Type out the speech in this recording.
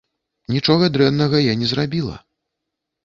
Нічога дрэннага я не зрабіла.